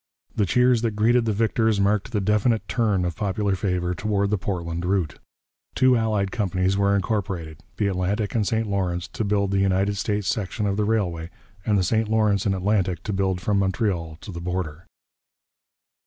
The cheers that greeted the victors marked the definite turn of popular favour toward the Portland route. Two allied companies were incorporated the Atlantic and St Lawrence to build the United States section of the railway, and the St Lawrence and Atlantic to build from Montreal to the border.